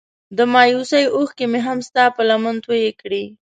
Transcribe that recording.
د مايوسۍ اوښکې مې هم ستا په لمن توی کړې.